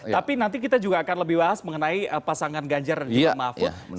tapi nanti kita juga akan lebih bahas mengenai pasangan ganjar dan juga mahfud